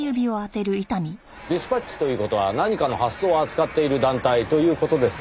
ディスパッチという事は何かの発送を扱っている団体という事ですか？